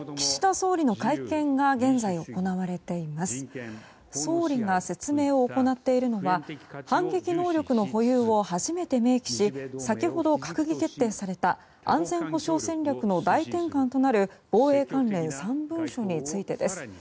総理が説明を行っているのは反撃能力の保有を初めて明記し先ほど閣議決定された安全保障戦略の大転換となる防衛関連３文書についてです。